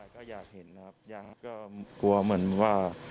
กลัวเหมือนว่า